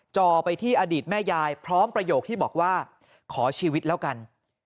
จอไปที่อดีตแม่ยายพร้อมประโยคที่บอกว่าขอชีวิตแล้วกัน